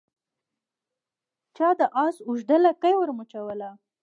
چا د آس اوږده لکۍ ور مچوله